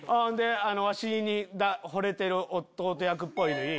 わしにほれてる弟役っぽいのいい。